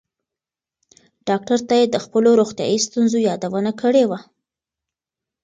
ډاکټر ته یې د خپلو روغتیایي ستونزو یادونه کړې وه.